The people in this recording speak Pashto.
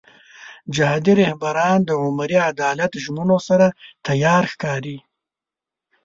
جهادي رهبران د عمري عدالت ژمنو سره تیار ښکاري.